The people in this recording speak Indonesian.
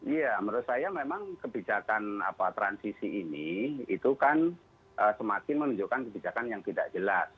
iya menurut saya memang kebijakan transisi ini itu kan semakin menunjukkan kebijakan yang tidak jelas